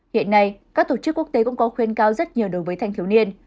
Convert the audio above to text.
hiện nay các tổ chức quốc tế cũng có khuyên cao rất nhiều đối với thanh thiếu niên